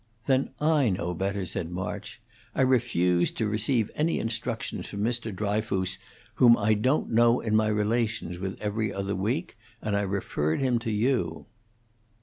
"Then I know better," said March. "I refused to receive any instructions from Mr. Dryfoos, whom I don't know in my relations with 'Every Other Week,' and I referred him to you."